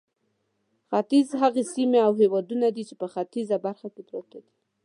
ختیځ هغه سیمې او هېوادونه دي چې په ختیځه برخه کې پراته دي.